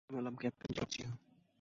আমি হলাম captain Georgia.